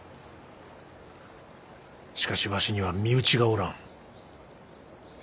しかしわしには身内がおらん。